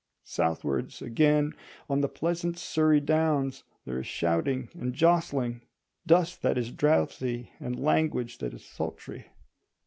Southwards, again, on the pleasant Surrey downs there is shouting and jostling; dust that is drouthy and language that is sultry.